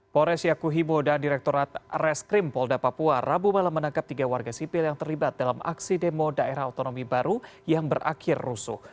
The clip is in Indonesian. pores yakuhimo dan direkturat reskrim polda papua rabu malam menangkap tiga warga sipil yang terlibat dalam aksi demo daerah otonomi baru yang berakhir rusuh